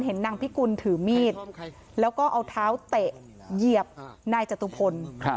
นางพิกุลถือมีดแล้วก็เอาเท้าเตะเหยียบนายจตุพล